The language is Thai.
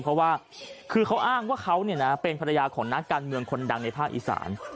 เพราะว่าคือเขาอ้างว่าเขาเป็นภรรยาของนักการเมืองคนดังในภาคอีสาน